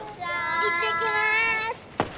いってきます。